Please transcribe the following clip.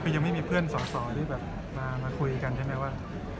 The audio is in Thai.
คือยังไม่มีเพื่อนสองที่มาคุยกันใช่ไหมว่า